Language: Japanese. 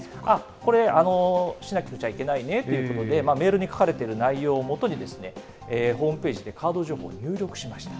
これ、しなくちゃいけないねということで、メールに書かれてる内容を基に、ホームページでカード情報を入力しました。